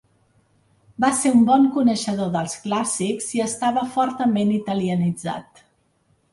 Va ser un bon coneixedor dels clàssics i estava fortament italianitzat.